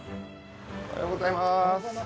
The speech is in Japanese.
おはようございます。